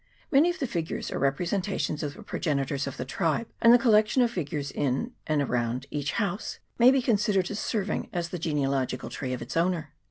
Many of the figures are repre sentations of the progenitors of the tribe, and the collection of figures in and around each house may be considered as serving as the genealogical tree of its owner.